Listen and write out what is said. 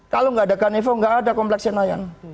kalau nggak ada ganevo nggak ada kompleks senayan